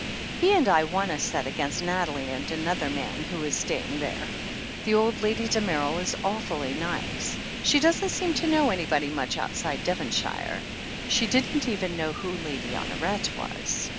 He and I won a set' against Nathalie and another man who is staying there. Old Lady Damerel is awfully nice. She doesn't seem to know anybody much outside Devonshire ; she didn't even know who Lady Honoret was.